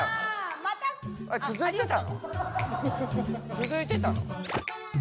続いてたの？